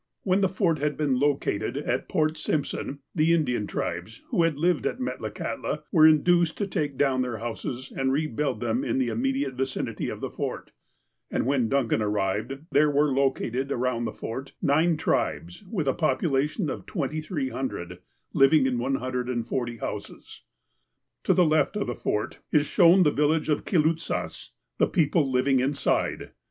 When the Fort had been located at Port Simpson, the Indian tribes, who had lived at Metlakahtla, were in duced to take down their houses and rebuild them in the immediate vicinity of the Fort, and when Duncan arrived, there were, located around the Fort, nine tribes with a population of 2,300, living in 140 houses. To the left of the Fort is shown the village of the Kitlootsahs (the people living inside).